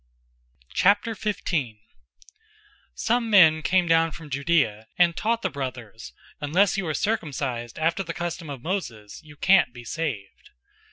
015:001 Some men came down from Judea and taught the brothers, "Unless you are circumcised after the custom of Moses, you can't be saved."